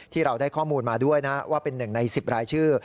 เราได้ข้อมูลมาด้วยนะว่าเป็นหนึ่งใน๑๐รายชื่อ